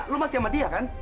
lo masih sama dia kan